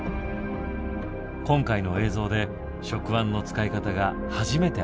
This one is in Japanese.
今回の映像で触腕の使い方が初めて明らかになったのだ。